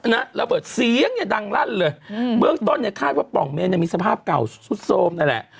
นะระเบิดเสียงเนี่ยดังลั่นเลยอืมเบื้องต้นเนี่ยคาดว่าปล่องเมนยังมีสภาพเก่าสุดโทรมนั่นแหละ